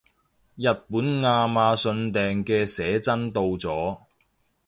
日本亞馬遜訂嘅寫真到咗